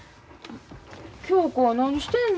恭子は何してんの？